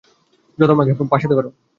যাতে আমাকে ফাঁসাতে পারো?